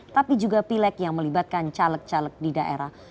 tapi juga pilek yang melibatkan caleg caleg di daerah